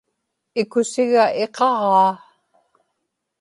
ikusiga iqaġaa